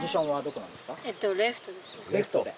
レフトで。